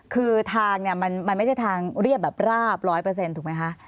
คือทางเนี่ยมันไม่ใช่ทางเรียบแบบราบ๑๐๐ถูกไหมคะ